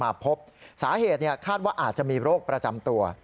มาพบสาเหตุคาดว่าอาจจะมีโรคประจำตัว